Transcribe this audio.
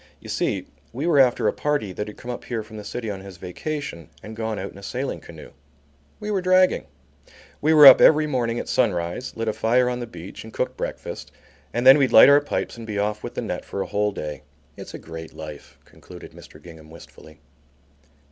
You see we were after a party that had come up here from the city on his vacation and gone out in a sailing canoe. We were dragging. We were up every morning at sunrise, lit a fire on the beach and cooked breakfast, and then we'd light our pipes and be off with the net for a whole day. It's a great life," concluded Mr. Gingham wistfully.